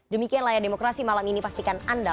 demikian layar demokrasi malam ini pastikan anda